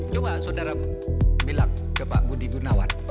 coba saudara bilang ke pak budi gunawan